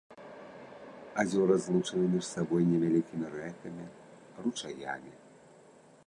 Азёры злучаны між сабой невялікімі рэкамі, ручаямі.